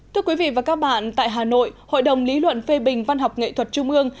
thưa quý vị và các bạn tại hà nội hội đồng lý luận phê bình văn học nghệ thuật trung ương